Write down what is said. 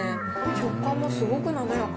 食感もすごく滑らか。